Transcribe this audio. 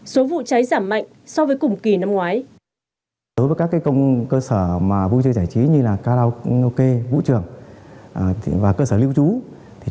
số vụ cháy giảm mạnh so với cùng kỳ năm ngoái